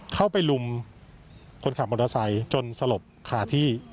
เข้าไปลุมคนขับมอเตอร์ไซค์จนสลบขาดที่